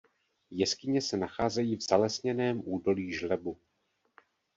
Jeskyně se nacházejí v zalesněném údolí žlebu.